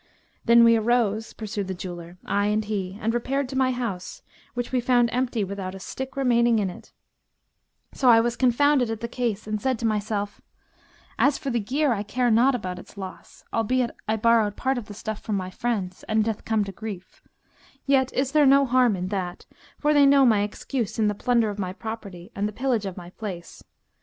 Then we arose" (pursued the jeweller), "I and he, and repaired to my house, which we found empty without a stick remaining in it; so I was confounded at the case and said to myself, 'As for the gear I care naught about its loss, albeit I borrowed part of the stuff from my friends and it hath come to grief; yet is there no harm in that, for they know my excuse in the plunder of my property and the pillage of my place.